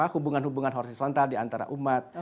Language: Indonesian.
hubungan hubungan horizontal di antara umat